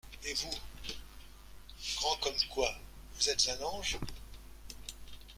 Et vous ? grand comme quoi ?… vous êtes un ange.